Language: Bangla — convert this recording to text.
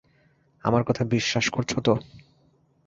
আমার কথা বিশ্বাস করছ তো?